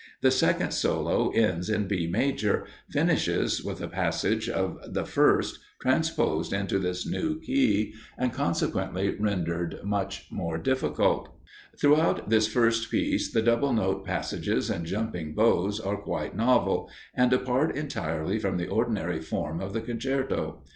The second solo ends in B major, finishes with the passage of the first, transposed into this new key, and consequently rendered much more difficult. Throughout this first piece, the double note passages and jumping bowing are quite novel, and depart entirely from the ordinary form of the concerto.